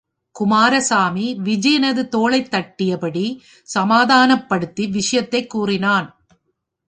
குமாரசாமி, விஜயனது தோளைத் தட்டியபடி சமாதானப்படுத்தி விஷயத்தைக் கூறினான்.